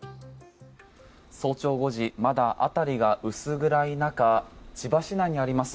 早朝５時まだ辺りが薄暗い中千葉市内にあります